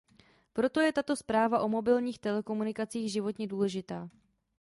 Proto je tato zpráva o mobilních telekomunikacích životně důležitá.